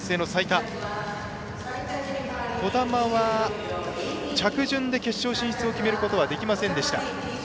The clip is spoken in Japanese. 兒玉は、着順で決勝進出を決めることはできませんでした。